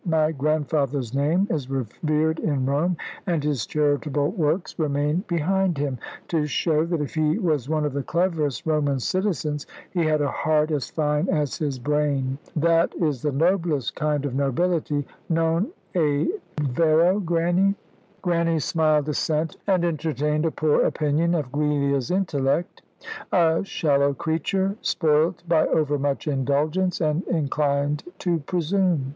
My grandfather's name is revered in Rome, and his charitable works remain behind him, to show that if he was one of the cleverest Roman citizens, he had a heart as fine as his brain. That is the noblest kind of nobility non è vero, Grannie?" Grannie smiled assent, and entertained a poor opinion of Giulia's intellect. A shallow creature, spoilt by overmuch indulgence, and inclined to presume.